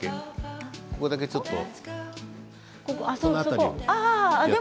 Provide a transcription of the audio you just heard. ここだけちょっと。